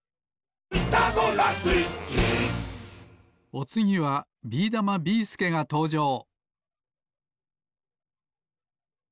おつぎはビーだまビーすけがとうじょう！